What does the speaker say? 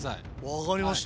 分かりました。